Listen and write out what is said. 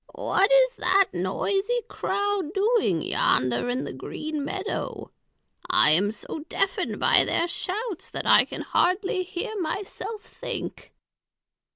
"What is that noisy crowd doing yonder in the green meadow? I am so deafened by their shouts that I can hardly hear myself think."